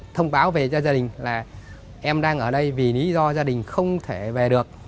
thông báo về cho gia đình là em đang ở đây vì lý do gia đình không thể về được